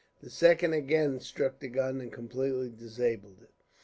The second again struck the gun and completely disabled it.